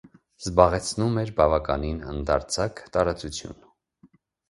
Զբաղեցնում էր բավականին ընդարձակ տարածություն։